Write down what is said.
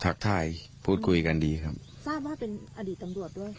ทักทายพูดคุยกันดีครับทราบว่าเป็นอดีตตำรวจด้วยค่ะ